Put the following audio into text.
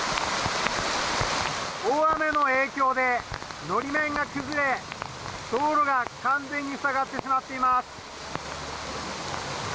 大雨の影響で法面が崩れ道路が完全に塞がってしまっています。